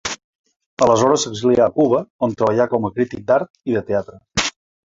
Aleshores s'exilià a Cuba, on treballà com a crític d'art i de teatre.